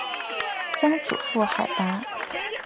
曾祖父海达。